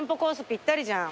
ぴったりじゃん。